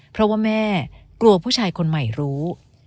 เพราะว่าแม่กลัวผู้ชายคนใหม่รู้